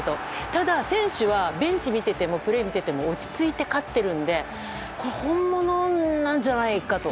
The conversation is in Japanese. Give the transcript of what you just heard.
ただ、選手はベンチ見ててもプレー見てても落ち着いて勝っているのでこれは本物なんじゃないかと。